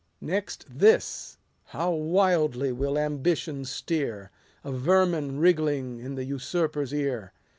Next this (how wildly will ambition steer !) 30 A vermin wriggling in the usurper's ear.